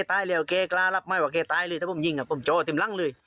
ว่าแกกล้ารับไม่ว่าแกตายเลยถ้าผมยิงครับผมจอดเต็มรังเลย